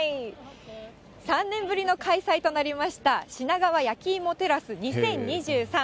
３年ぶりの開催となりました、品川やきいもテラス２０２３。